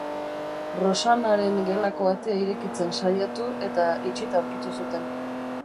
Rosannaren gelako atea irekitzen saiatu, eta itxita aurkitu zuten.